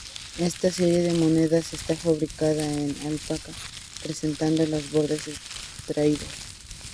Esta serie de monedas, está fabricada en alpaca, presentando los bordes estriados.